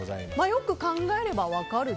よく考えて分かる？